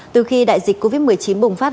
từ khi đại dịch covid một mươi chín bùng phát